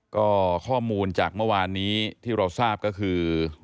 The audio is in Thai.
ก็ข้อมูลจากเมื่อวานนี้ที่เราทราบก็คือ